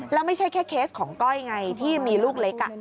แล้วไม่ใช่แค่เคสของก้อยไงที่มีลูกเล็ก